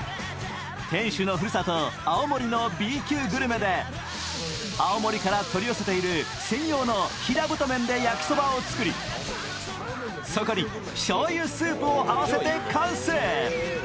店主のふるさと・青森のＢ級グルメで青森から取り寄せている専用の平太麺で焼きそばを作り、そこにしょうゆスープを合わせて完成。